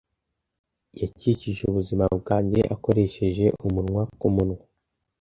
Yakijije ubuzima bwanjye akoresheje umunwa ku munwa.